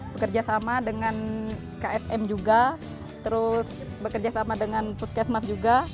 bekerja sama dengan ksm juga terus bekerja sama dengan puskesmas juga